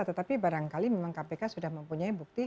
tetapi barangkali memang kpk sudah mempunyai bukti